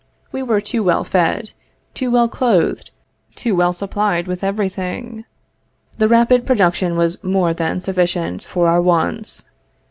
We were too well fed, too well clothed, too well supplied with every thing; the rapid production was more than sufficient for our wants.